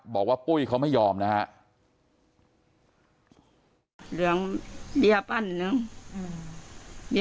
บอกว่าปุ้ยเขาไม่ยอมนะครับ